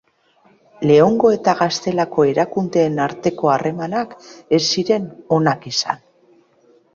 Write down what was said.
Leongo eta Gaztelako erakundeen arteko harremanak ez ziren onak izan.